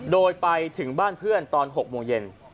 โดยไปถึงบ้านเพื่อนตอน๖โมงเย็น